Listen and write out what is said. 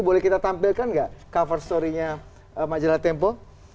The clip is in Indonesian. boleh kita tampilkan nggak cover story nya majalah tempo